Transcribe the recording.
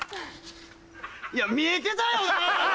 いや見えてたよな！